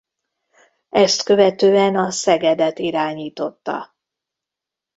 Ezt követően a Szegedet irányította.